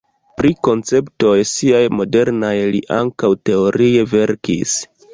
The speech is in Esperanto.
Pri konceptoj siaj modernaj li ankaŭ teorie verkis.